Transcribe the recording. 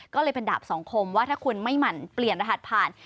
ก็เลยเป็นดาบสังคมว่าถ้าคุณไม่หมั่นเปลี่ยนรหัสผ่าน